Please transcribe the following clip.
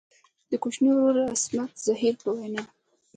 د کوچني ورور عصمت زهیر په وینا.